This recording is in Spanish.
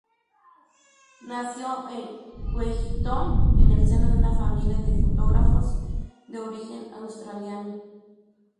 Nació en Wellington en el seno de una familia de fotógrafos de origen australiano.